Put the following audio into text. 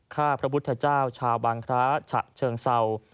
ข้าพระพุทธเจ้าชาวบางคร้าฉะเชิงเศร้า